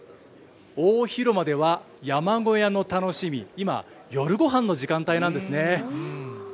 大広間では山小屋の楽しみ、今、夜ごはんの時間帯なんですね。